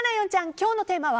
今日のテーマは？